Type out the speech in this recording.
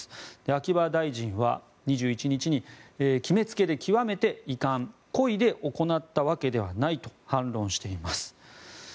秋葉大臣は２１日に決めつけで極めて遺憾故意で行ったわけではないと反論しています。